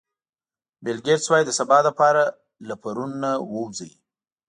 بیل ګېټس وایي د سبا لپاره له پرون ووځئ.